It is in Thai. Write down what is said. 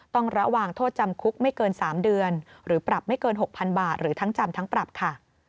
ต้องระวังโทษจำคุกไม่เกิน๓เดือนหรือปรับไม่เกิน๖๐๐๐บาทหรือทั้งจำทั้งปรับค่ะ